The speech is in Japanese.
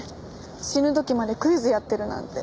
死ぬ時までクイズやってるなんて。